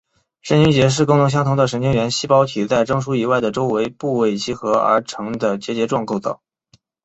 神经节是功能相同的神经元细胞体在中枢以外的周围部位集合而成的结节状构造。